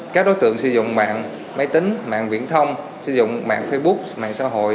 các đối tượng sử dụng mạng máy tính mạng viễn thông sử dụng mạng facebook mạng xã hội